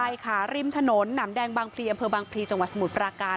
ใช่ค่ะริมถนนหนำแดงบางพลีอำเภอบางพลีจังหวัดสมุทรปราการ